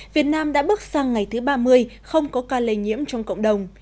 việt nam đã bước sang ngày thứ ba mươi không có ca lây nhiễm trong cộng đồng